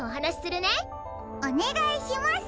おねがいします。